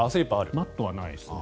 マットはないですね。